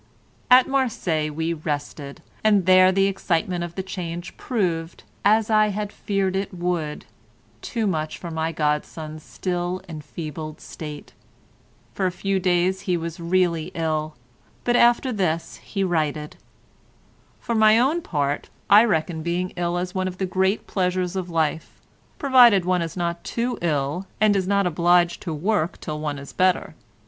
At Marseilles we rested, and there the excitement of the change proved, as I had half feared it would, too much for my godson's still enfeebled state. For a few days he was really ill, but after this he righted. For my own part I reckon being ill as one of the great pleasures of life, provided one is not too ill and is not obliged to work till one is better.